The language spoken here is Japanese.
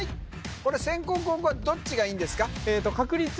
これ先攻後攻はどっちがいいんですか？